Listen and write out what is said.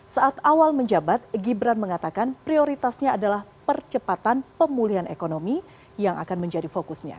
saat awal menjabat gibran mengatakan prioritasnya adalah percepatan pemulihan ekonomi yang akan menjadi fokusnya